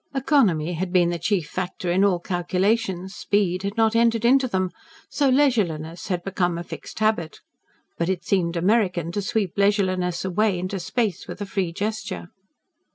Economy had been the chief factor in all calculations, speed had not entered into them, so leisureliness had become a fixed habit. But it seemed American to sweep leisureliness away into space with a free gesture.